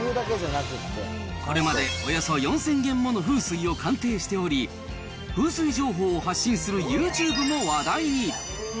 これまでおよそ４０００軒もの風水を鑑定しており、風水情報を発信するユーチューブも話題に。